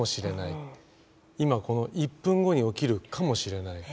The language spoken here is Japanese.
今この１分後に起きるかもしれない。